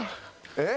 えっ？